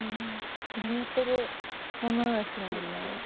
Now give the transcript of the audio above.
眠ってるものですもんね。